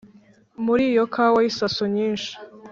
Muli iyo kawa y'isaso nyinshi